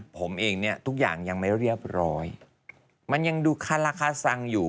ผมเองเนี่ยทุกอย่างยังไม่เรียบร้อยมันยังดูคาราคาซังอยู่